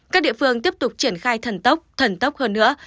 các địa phương tiếp tục triển khai thần tốc thần tốc hơn nữa